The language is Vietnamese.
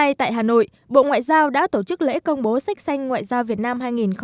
ngay tại hà nội bộ ngoại giao đã tổ chức lễ công bố sách xanh ngoại giao việt nam hai nghìn một mươi năm